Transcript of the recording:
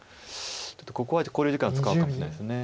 ちょっとここは考慮時間使うかもしれないです。